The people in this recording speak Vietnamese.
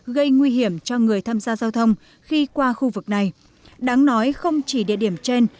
gây nguy hiểm cho người tham gia giao thông khi qua khu vực này đáng nói không chỉ địa điểm trên